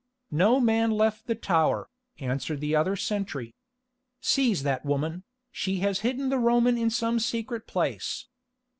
"No man left the tower," answered the other sentry. "Seize that woman, she has hidden the Roman in some secret place.